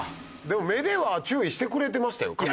でも目では注意してくれてましたよ。